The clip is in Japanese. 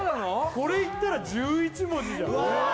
これ言ったら１１文字じゃんうわ！